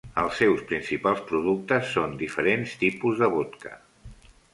Els seus principals productes són diferents tipus de vodka.